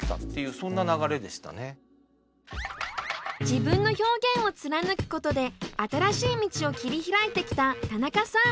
自分の表現を貫くことで新しい道を切り開いてきた田中さん。